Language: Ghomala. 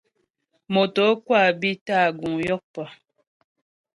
Motǒkwâ bi tâ guŋ yókpə.